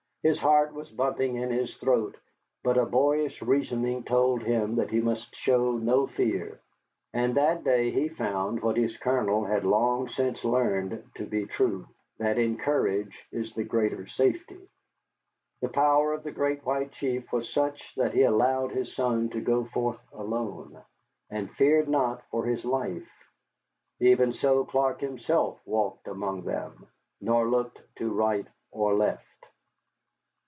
His heart was bumping in his throat, but a boyish reasoning told him that he must show no fear. And that day he found what his Colonel had long since learned to be true that in courage is the greater safety. The power of the Great White Chief was such that he allowed his son to go forth alone, and feared not for his life. Even so Clark himself walked among them, nor looked to right or left.